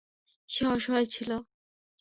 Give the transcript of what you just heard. সে অসহায় ছিল।